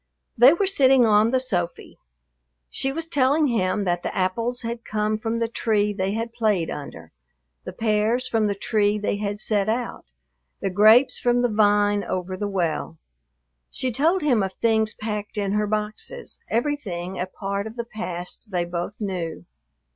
They were sitting on the "sofy." She was telling him that the apples had come from the tree they had played under, the pears from the tree they had set out, the grapes from the vine over the well. She told him of things packed in her boxes, everything a part of the past they both knew.